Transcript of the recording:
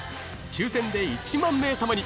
抽選で１万名様に！